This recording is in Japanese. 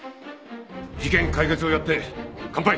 事件解決を祝って乾杯！